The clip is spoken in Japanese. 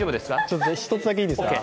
１つだけいいですか。